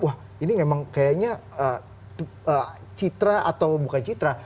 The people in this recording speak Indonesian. wah ini memang kayaknya citra atau bukan citra